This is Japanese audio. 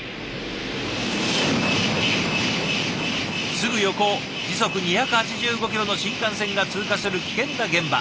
すぐ横を時速２８５キロの新幹線が通過する危険な現場。